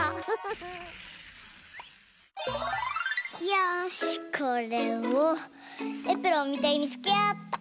よしこれをエプロンみたいにつけようっと！